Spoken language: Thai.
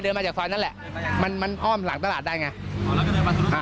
เดินมาจากฟ้านั่นแหละมันมันอ้อมหลังตลาดได้ไงอ๋อแล้วก็เดินมา